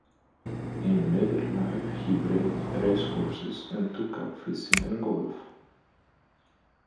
In later life he bred racehorses and took up fishing and golf.